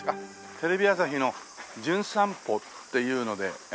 テレビ朝日の『じゅん散歩』っていうので来ました